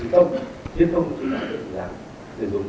và chất lượng tổ chức chính là phải giải ngân